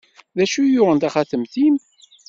D acu i yuɣen taxatemt-im?